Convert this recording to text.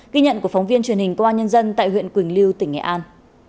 ghi nhận của phóng viên truyền hình công an nhân dân tại huyện quỳnh lưu tỉnh nghệ an